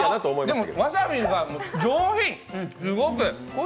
でも、わさびが上品、すごく。